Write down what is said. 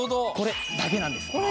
これだけなんです。